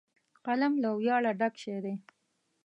قلم له ویاړه ډک شی دی